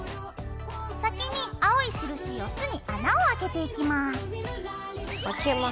先に青い印４つに穴をあけていきます。